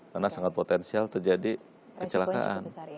karena sangat potensial terjadi kecelakaan